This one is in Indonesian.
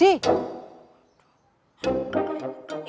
ini yang cuma disuruh sama emak kok